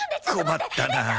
困ったな。